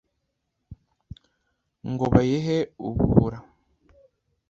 ngo bayihe ubuhura,